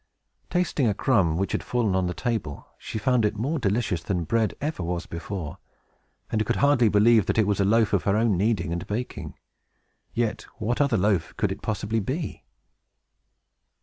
Tasting a crumb, which had fallen on the table, she found it more delicious than bread ever was before, and could hardly believe that it was a loaf of her own kneading and baking. Yet, what other loaf could it possibly be?